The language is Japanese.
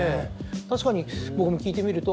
確かに僕も聴いてみると。